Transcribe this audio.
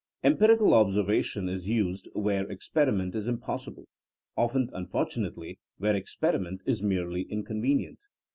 Empirical observation is used where experi ment is impossible — often, unfortunately, where experiment is merely inconvenient.